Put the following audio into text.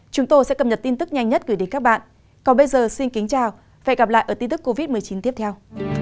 chúng tôi sẽ cập nhật tin tức nhanh nhất gửi đến các bạn còn bây giờ xin kính chào và hẹn gặp lại ở tin tức covid một mươi chín tiếp theo